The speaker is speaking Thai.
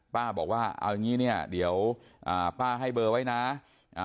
บอกว่าเอาอย่างงี้เนี้ยเดี๋ยวอ่าป้าให้เบอร์ไว้นะอ่า